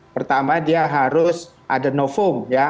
pertama dia harus ada novum ya